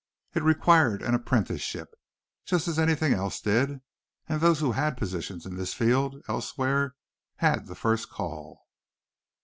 It required an apprenticeship, just as anything else did, and those who had positions in this field elsewhere had the first call.